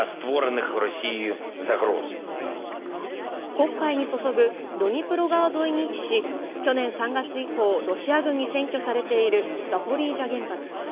黒海に注ぐドニプロ川沿いに位置し、去年３月以降、ロシア軍に占拠されているザポリージャ原発。